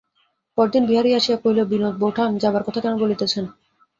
পরদিন বিহারী আসিয়া কহিল, বিনোদ-বোঠান, যাবার কথা কেন বলিতেছেন।